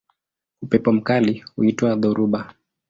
Upepo mkali huitwa dhoruba.